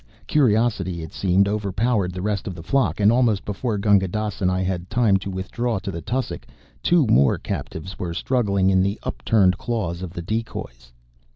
Curiosity, it seemed, overpowered the rest of the flock, and almost before Gunga Dass and I had time to withdraw to the tussock, two more captives were struggling in the upturned claws of the decoys.